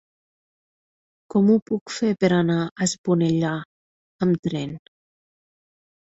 Com ho puc fer per anar a Esponellà amb tren?